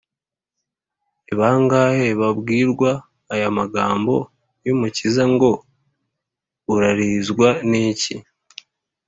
ni bangahe babwirwa aya magambo y’umukiza ngo, «urarizwa n’iki ?